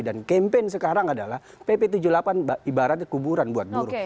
dan kempen sekarang adalah pp tujuh puluh delapan ibaratnya kuburan buat buruh